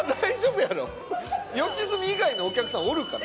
吉住以外のお客さんおるから。